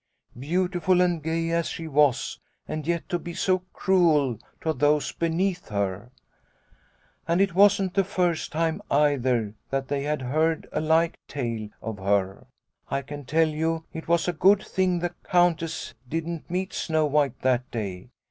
Beautiful and gay as she was and yet to be so cruel to those beneath her ! And it wasn't the first time either that they had heard a like tale of her. I can tell you it was a good thing the Countess didn't meet Snow White that day.